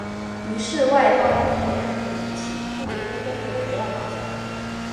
于是外包必然比起雇用工人还要划算。